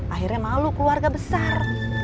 akhirnya malu keluarga besar